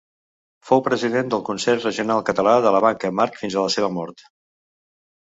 Fou president del consell regional català de la Banca March fins a la seva mort.